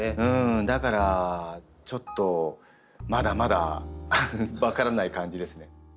だからちょっとまだまだ分からない感じですね。